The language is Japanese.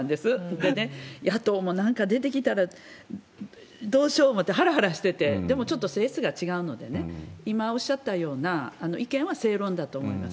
でね、野党もなんか出てきたらどうしようおもてはらはらしてて、でもちょっと性質が違うので、今おっしゃったような意見は正論だと思います。